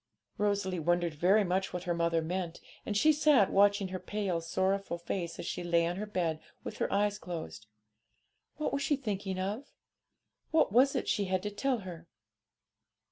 Rosalie wondered very much what her mother meant, and she sat watching her pale, sorrowful face as she lay on her bed with her eyes closed. What was she thinking of? What was it she had to tell her?